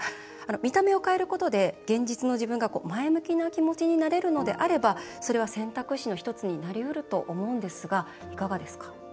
見た目を変えることで現実の自分が前向きな気持ちになれるのであればそれは選択肢の１つになりうると思うんですが、いかがですか？